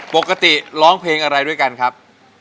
ปกติร้องเพลงอะไรด้วยกันครับ